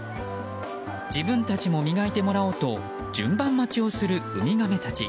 自分たちも磨いてもらおうと順番待ちをするウミガメたち。